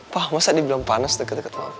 pa masa dibilang panas deket deket papa